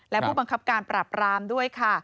และผู้บังคับการปรับรามด้วยค่ะ